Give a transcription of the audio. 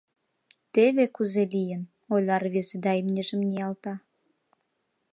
— Теве кузе лийын, — ойла рвезе да имньыжым ниялта.